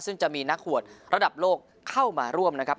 ซึ่งจะมีนักหวดระดับโลกเข้ามาร่วมนะครับ